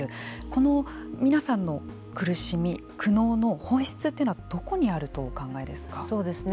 この皆さんの苦しみ苦悩の本質というのはどこにあるとお考えですか。